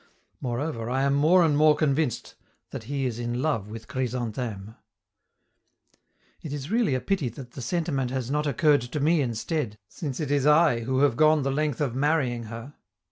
Moreover, I am more and more convinced that he is in love with Chrysantheme. It is really a pity that the sentiment has not occurred to me instead, since it is I who have gone the length of marrying her.